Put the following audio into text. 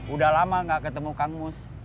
udah lama gak ketemu kang mus